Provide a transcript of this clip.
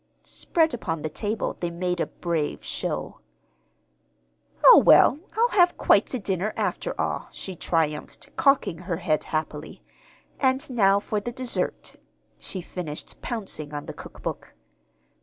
Spread upon the table they made a brave show. "Oh, well, I'll have quite a dinner, after all," she triumphed, cocking her head happily. "And now for the dessert," she finished, pouncing on the cookbook.